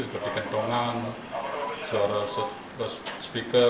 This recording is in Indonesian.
seperti kentongan suara speaker